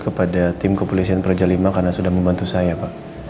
kepada tim kepolisian projo lima karena sudah membantu saya pak